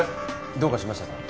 どうかしましたか？